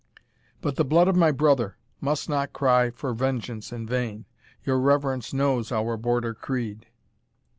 But the blood of my brother must not cry for vengeance in vain your reverence knows our Border creed."